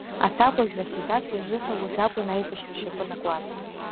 Аҭакәажә Расидац лзыҳәа уажә акәын аибашьра ашьапы анакуаз.